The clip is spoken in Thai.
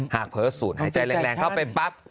เผลอสูตรหายใจแรงเข้าไปปั๊บ